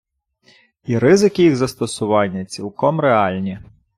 І ризики їх застосування цілком реальні.